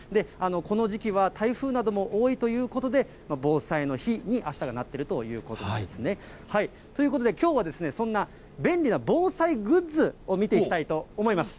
この時期は、台風なども多いということで、防災の日にあしたがなっているということなんですね。ということで、きょうはそんな便利な防災グッズを見ていきたいと思います。